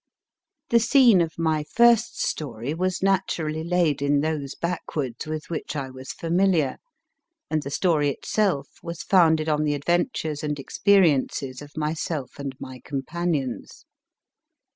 The scene of my first story was naturally laid in those backwoods with which I was familiar, and the story itself was founded on the adventures and experiences of myself and my companions.